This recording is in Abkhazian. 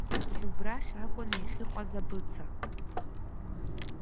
Убрахь акәын иахьыҟаз абыца.